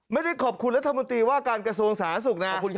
ไม่ได้ขอบคุณรัฐมนตรีว่าการกระทรวงสาธารณสุขนะ